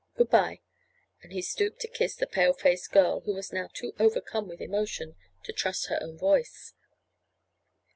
Good bye," and he stooped to kiss the pale faced girl who was now too overcome with emotion to trust her own voice.